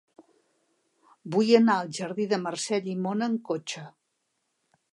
Vull anar al jardí de Mercè Llimona amb cotxe.